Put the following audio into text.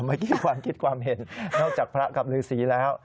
เมื่อกี้ความคิดความเห็นนอกจากพระกับฤษีแล้ว